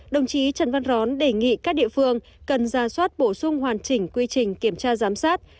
đồng chí trần văn rón đề nghị các địa phương cần ra soát bổ sung hoàn chỉnh quy trình kiểm tra giám sát